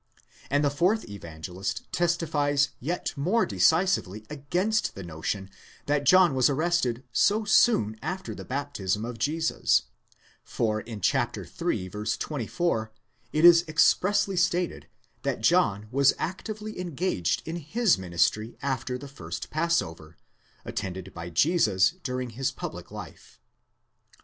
and the fourth Evangelist testifies yet more decisively against the notion that John was arrested so soon after the baptism of Jesus; for in chap. iii. 24, it is expressly stated, that John was actively engaged in his ministry after the first passover, attended by Jesus during His: public life.